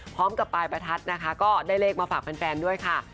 พร้อมกับปลายประทัดนะคะก็ได้เลขมาฝากแฟนด้วยค่ะ